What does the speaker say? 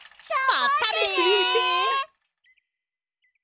またね！